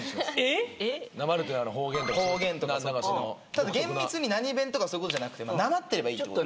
ただ厳密に何弁とかそういうことじゃなくてなまってればいいってこと。